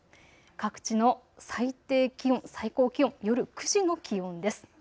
各地の最低気温、最高気温夜９時の気温です。